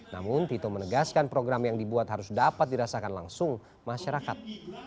namun tito menegaskan program yang dibuat harus dapat dirasakan langsung masyarakat